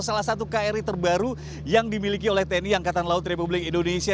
salah satu kri terbaru yang dimiliki oleh tni angkatan laut republik indonesia